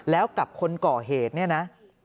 แล้วกับคนก่อเหตุเนี่ยนะ